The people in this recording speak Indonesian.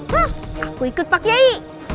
hah aku ikut pak kiai